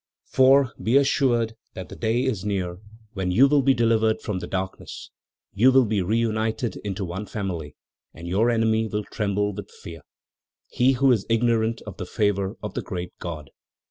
"For, be assured that the day is near when you will be delivered from the darkness; you will be reunited into one family and your enemy will tremble with fear, he who is ignorant of the favor of the great God."